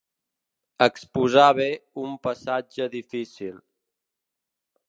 Exposar bé un passatge difícil.